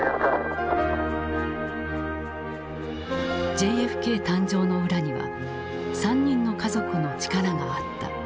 ＪＦＫ誕生の裏には３人の家族の力があった。